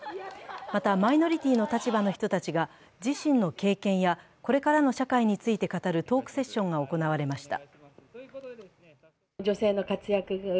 また、マイノリティーの立場の人たちが、自身の経験やこれからの社会について語るトークセッションが行われました。